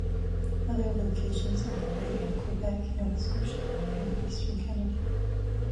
Other locations operate in Quebec, Nova Scotia, and in western Canada.